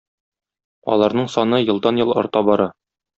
Аларның саны елдан-ел арта бара.